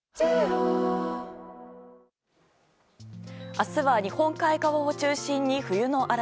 明日は日本海側を中心に冬の嵐。